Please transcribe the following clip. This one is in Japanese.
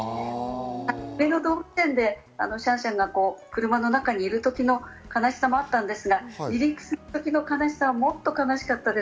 上野動物園でシャンシャンが車の中にいるときの悲しさもあったんですが、離陸する時の悲しさはもっと悲しかったです。